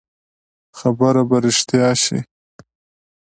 خبره به رښتيا شي.